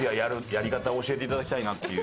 やり方を教えていただきたいなっていう。